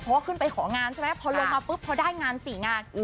เพราะว่าขึ้นไปของานใช่ไหมพอลงมาปุ๊บพอได้งาน๔งาน